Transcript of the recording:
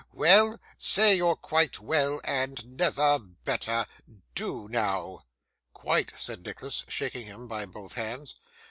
Well? Say you're quite well and never better. Do now.' 'Quite,' said Nicholas, shaking him by both hands.